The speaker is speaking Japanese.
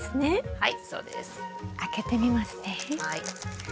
はい。